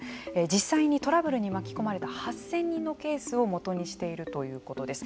実際にトラブルに巻き込まれた８０００人のケースを基にしているということです。